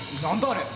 あれ。